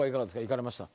行かれました？